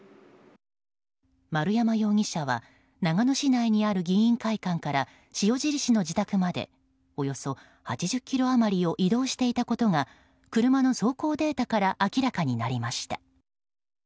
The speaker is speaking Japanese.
丸山容疑者は長野市内にある議員会館から塩尻市の自宅までおよそ８０ｋｍ余りを移動していたことが車の走行データから明らかになりました。